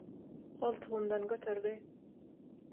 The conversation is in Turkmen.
goltugymdan göterdi.